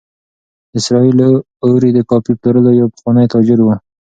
اسراییل اوري د کافي پلورلو یو پخوانی تاجر و.